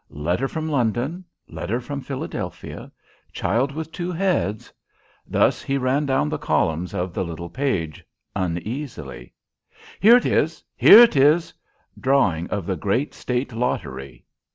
"Letter from London," "Letter from Philadelphia," "Child with two heads," thus he ran down the columns of the little page, uneasily. "Here it is! here it is! Drawing of the great State Lottery.